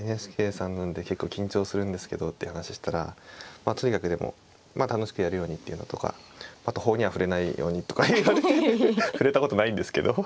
ＮＨＫさんなんで結構緊張するんですけどって話したらまあとにかくでも楽しくやるようにっていうのとかあと法には触れないようにとか言われて触れたことないんですけど。